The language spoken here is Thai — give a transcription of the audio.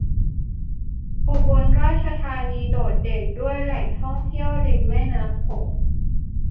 อุบลราชธานีโดดเด่นด้วยแหล่งท่องเที่ยวริมแม่น้ำโขง